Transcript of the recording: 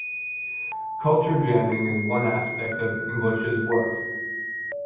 Culture jamming is one aspect of English's work.